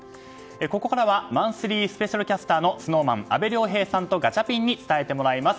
ここからはマンスリースペシャルキャスターのＳｎｏｗＭａｎ阿部亮平さんとガチャピンに伝えてもらいます。